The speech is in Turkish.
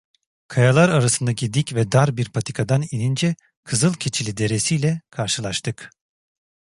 Kayalar arasındaki dik ve dar bir patikadan inince Kızılkeçili Deresi'yle karşılaştık.